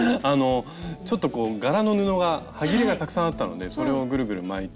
ちょっと柄の布がはぎれがたくさんあったのでそれをぐるぐる巻いてみたんですが。